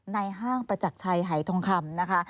ห้างประจักรชัยหายทองคำนะคะ